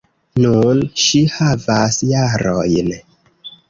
Nun ŝi havas jarojn.